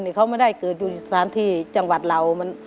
ยายก็ไปกู้เงินทองกระโสมารวมแล้ว๔เสน